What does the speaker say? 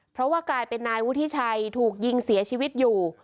เพราะว่ากลายเป็นนายวุฒิชัยถูกยิงเสียชีวิตอยู่